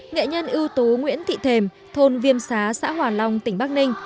nghệ nhân ưu tú nguyễn thị thềm thôn viêm xá xã hòa long tỉnh bắc ninh